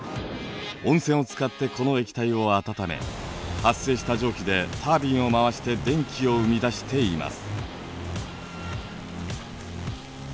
温泉を使ってこの液体を温め発生した蒸気でタービンを回して電気を生み出しています。